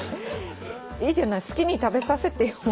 いいじゃない好きに食べさせてよ。